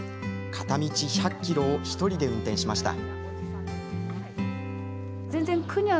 片道１００ｋｍを１人で運転しました。